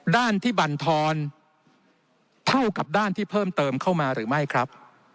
ด้านที่บรรทอนเท่ากับด้านที่เพิ่มเติมเข้ามาหรือไม่ครับ